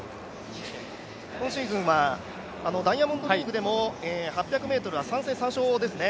今シーズン、ダイヤモンドリーグは３戦３勝ですね。